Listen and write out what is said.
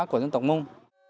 của dân tổng mông